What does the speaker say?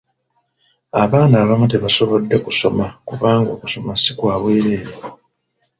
Abaana abamu tebasobodde kusoma kubanga okusoma si kwa bwereere.